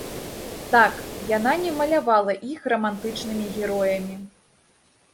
Так, яна не малявала іх рамантычнымі героямі.